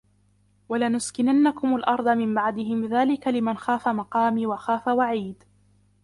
ولنسكننكم الأرض من بعدهم ذلك لمن خاف مقامي وخاف وعيد